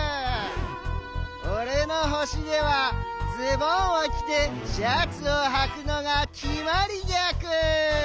おれのほしではズボンをきてシャツをはくのがきまりギャク！